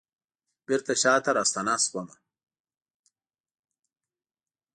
بیرته شاته راستنه شومه